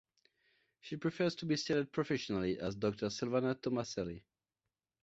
She prefers to be styled professionally as Doctor Sylvana Tomaselli.